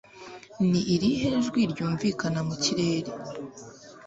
Ni irihe jwi ryumvikana mu kirere